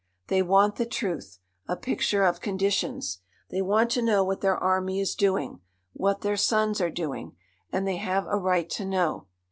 They want the truth, a picture of conditions. They want to know what their army is doing; what their sons are doing. And they have a right to know.